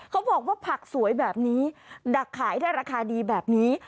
เขาบอกว่าผักสวยแบบนี้ดักขายได้ราคาดีแบบนี้